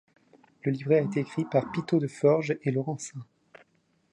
Le livret a été écrit par Pittaud de Forges et Laurencin.